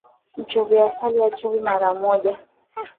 Mchovya asali hachovi mara moja